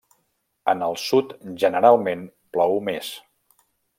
En el sud generalment plou més.